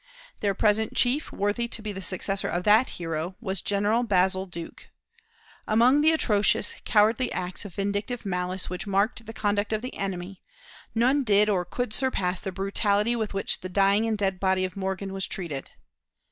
Their present chief, worthy to be the successor of that hero, was General Basil Duke. Among the atrocious, cowardly acts of vindictive malice which marked the conduct of the enemy, none did or could surpass the brutality with which the dying and dead body of Morgan was treated.